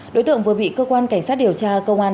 đối tượng vừa bị cơ quan cảnh sát điều tra công an